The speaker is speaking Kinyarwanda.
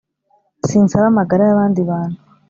Sinsaba amagara yabandi bantu